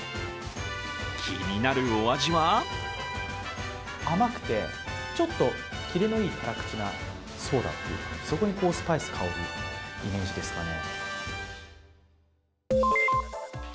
気になるお味は甘くて、ちょっとキレのいい辛口なソーダというかそこにスパイス香るイメージですかね。